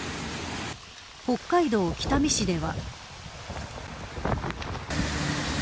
北海道北見市では。